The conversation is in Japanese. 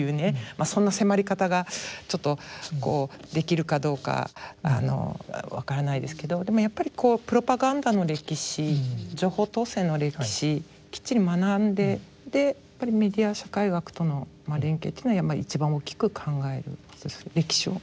そんな迫り方がちょっとできるかどうかわからないですけどでもやっぱりこうプロパガンダの歴史情報統制の歴史きっちり学んでやっぱりメディア社会学との連携というのは一番大きく考える歴史を情報統制の歴史を。